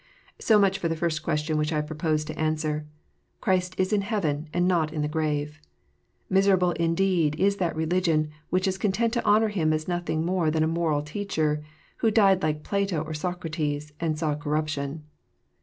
So much for the first question which I proposed to answer. Christ is in heaven, and not in the grave. Miserable indeed is that religion which is content to honour Him as nothing more than a moral teacher, who died like Plato or Socrates, and saw corruption.